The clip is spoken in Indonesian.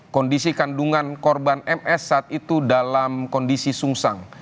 kondisi kandungan korban ms saat itu dalam kondisi sungsang